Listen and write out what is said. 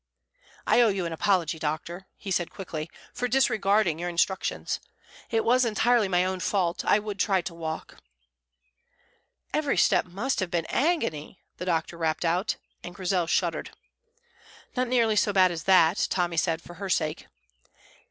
"I owe you an apology, doctor," he said quickly, "for disregarding your instructions. It was entirely my own fault; I would try to walk." "Every step must have been agony," the doctor rapped out; and Grizel shuddered. "Not nearly so bad as that," Tommy said, for her sake.